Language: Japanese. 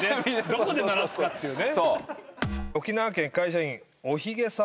どこで鳴らすかっていうね。